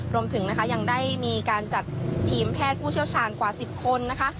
รวมถึงนะคะยังได้มีการจัดทีมแพทย์ผู้เชี่ยวชาญกว่า๑๐คนนะคะ